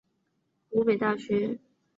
湖北大学知行学院等